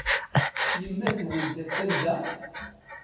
Yemma-twent attan da?